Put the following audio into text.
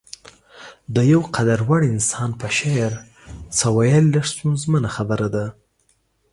د يو قدر وړ انسان په شعر څه ويل لږه ستونزمنه خبره ده.